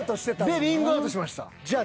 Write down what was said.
でリングアウトしました。